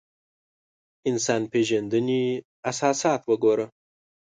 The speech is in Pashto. انسان پېژندنې اساسات وګورو.